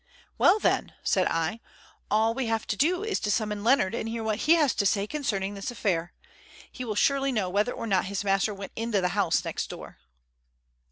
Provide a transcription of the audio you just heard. "Well, then," said I, "all we have to do is to summon Leonard and hear what he has to say concerning this affair. He will surely know whether or not his master went into the house next door."